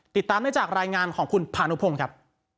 ติดตามได้จากรายงานของคุณพานุพงศ์ครับ